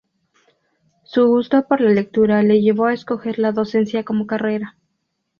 Su gusto por la lectura le llevó a escoger la docencia como carrera.